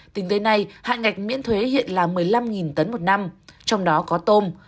tính tới nay hạn ngạch miễn thuế hiện là một mươi năm tấn một năm trong đó có tôm